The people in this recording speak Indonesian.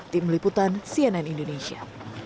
tim liputan cnn indonesia